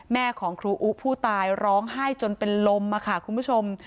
แม่ของครูอุผู้ตายร้องไห้จนเป็นลมค่ะคุณผู้ชม